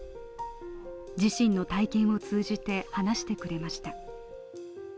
自身の体験を通じて話してくれました。